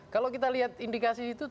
kalau kita lihat indikasi itu